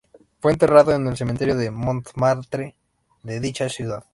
Fue enterrado en el Cementerio de Montmartre de dicha ciudad.